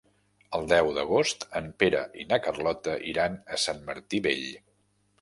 El deu d'agost en Pere i na Carlota iran a Sant Martí Vell.